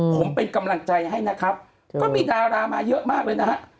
ผมเป็นกำลังใจให้นะครับก็มีดารามาเยอะมากเลยนะฮะ